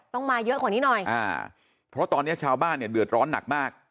มาเยอะกว่านี้หน่อยอ่าเพราะตอนนี้ชาวบ้านเนี่ยเดือดร้อนหนักมาก